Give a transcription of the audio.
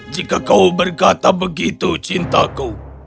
jika kau berkata begitu cintaku